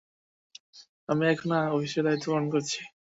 আমি এখন অফিসের দায়িত্ব পালন করছি।